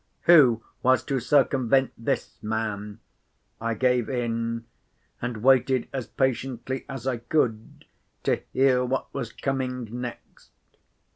Who was to circumvent this man? I gave in—and waited as patiently as I could to hear what was coming next.